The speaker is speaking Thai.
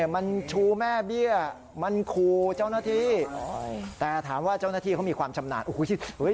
มันชูแม่เบี้ยมันคูเจ้าหน้าที่แต่ถามว่าเจ้าหน้าที่เขามีความชำนาญโอ้โห